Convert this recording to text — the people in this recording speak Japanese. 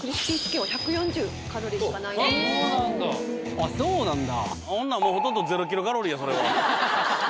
あっそうなんだ？